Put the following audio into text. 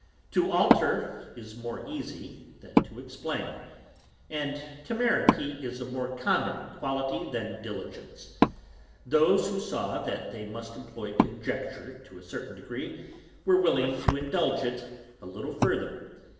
To alter is more easy than to explain, and temerity is a more common quality than diligence. Those who saw that they must employ conjecture to a certain degree, were willing to indulge it a little further.